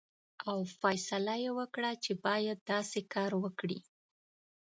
او فیصله یې وکړه چې باید داسې کار وکړي.